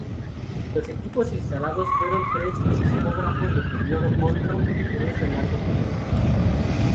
Los equipos instalados fueron: tres sismógrafos de periodo corto y tres de largo periodo.